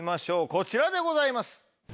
こちらでございます。